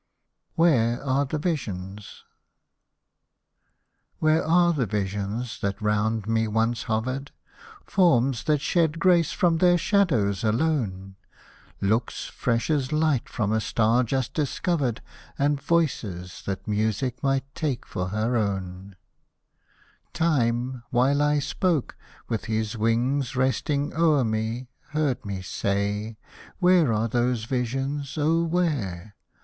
WHERE ARE THE VISIONS " Where are the visions that round me once hovered, Forms that shed grace from their shadows alone ; Looks fresh as light from a star just discovered. And voices that Music might take for her own ?" Hosted by Google 52 NATIONAL AIRS Time, while I spoke, with his wings resting o'er me, Heard me say, '* Where are those visions, oh where